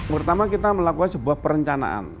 pertama kita melakukan sebuah perencanaan